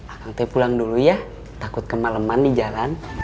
akang teh pulang dulu ya takut kemaleman di jalan